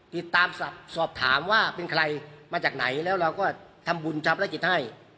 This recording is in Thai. ติดตามสอบถามว่าเป็นใครมาจากไหนแล้วเราก็ทำบุญชับและกิจให้